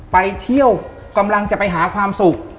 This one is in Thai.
ไปเที่ยวกำลังจะไปหาความสุข